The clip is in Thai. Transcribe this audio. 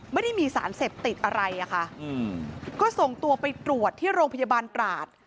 ไม่ได้มีสารเสพติดอะไรอะค่ะก็ส่งตัวไปตรวจที่โรงพยาบาลตราด